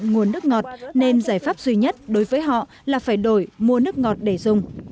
nhiều gia đình đã mua nước ngọt nên giải pháp duy nhất đối với họ là phải đổi mua nước ngọt để dùng